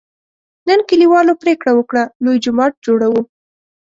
نن کلیوالو پرېکړه وکړه: لوی جومات جوړوو.